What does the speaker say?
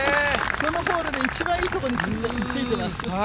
このホールの一番いい所についています。